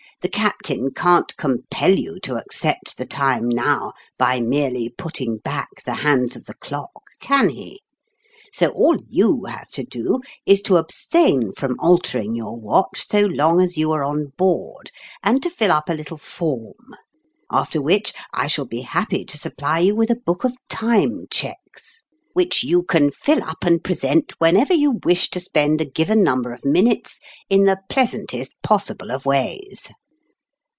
The captain can't 24 QTonrmalin's QLime Cheques. compel you to accept the time now by merely putting back the hands of the clock, can he ? So all you have to do is to abstain from alter ing your watch so long as you are on board, and to fill up a little form ; after which I shall be happy to supply you with a book of Time Cheques, which you can fill up and present whenever you wish to spend a given number of minutes in the pleasantest possible of ways."